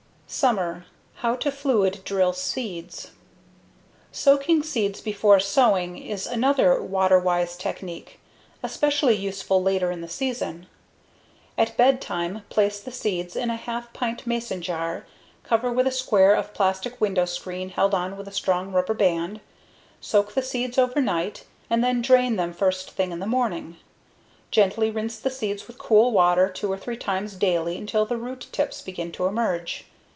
Summer: How to Fluid Drill Seeds Soaking seeds before sowing is another water wise technique, especially useful later in the season. At bedtime, place the seeds in a half pint mason jar, cover with a square of plastic window screen held on with a strong rubber band, soak the seeds overnight, and then drain them first thing in the morning. Gently rinse the seeds with cool water two or three times daily until the root tips begin to emerge.